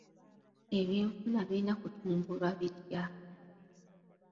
Ebyenfuna birina kutumbulwa bitya?